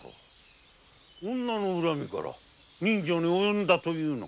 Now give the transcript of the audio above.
女の恨みから刃傷に及んだというのか？